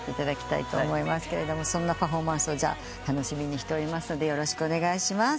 そんなパフォーマンスを楽しみにしておりますのでよろしくお願いします。